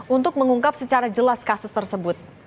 untuk mengungkap secara jelas kasus tersebut